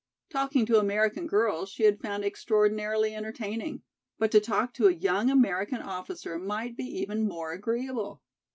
Talking to American girls she had found extraordinarily entertaining, but to talk to a young American officer might be even more agreeable.